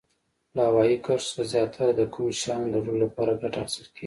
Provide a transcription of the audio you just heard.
له هوایي کرښو څخه زیاتره د کوم شیانو د وړلو لپاره ګټه اخیستل کیږي؟